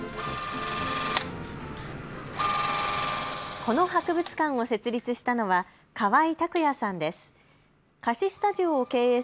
この博物館を設立したのは川井拓也さんです。